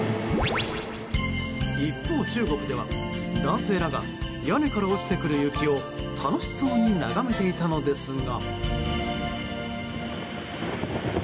一方、中国では男性らが屋根から落ちてくる雪を楽しそうに眺めていたのですが。